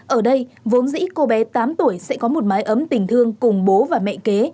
ở đây vốn dĩ cô bé tám tuổi sẽ có một mái ấm tình thương cùng bố và mẹ kế